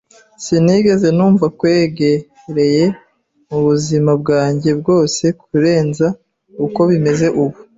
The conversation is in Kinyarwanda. Sinigeze numva nkwegereye mubuzima bwanjye bwose kurenza uko bimeze ubu.